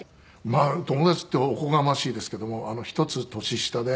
まあ友達っておこがましいですけども１つ年下で。